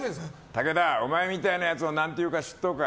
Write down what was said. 武田、お前みたいなやつを何て言うか知っとうか？